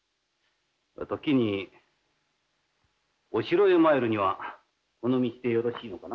時にお城へ参るにはこの道でよろしいのかな。